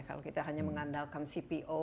kalau kita hanya mengandalkan cpo